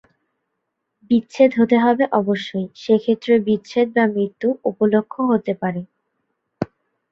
বিচ্ছেদ হতে হবে অবশ্যই, সে ক্ষেত্রে বিচ্ছেদ বা মৃত্যু উপলক্ষ হতে পারে।